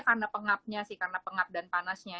karena pengapnya sih karena pengap dan panasnya